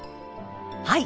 はい。